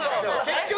結局。